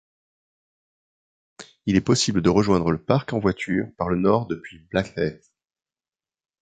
Il est possible de rejoindre le parc en voiture par le Nord depuis Blackheath.